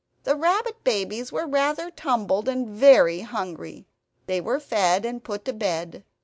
The rabbit babies were rather tumbled and very hungry; they were fed and put to bed.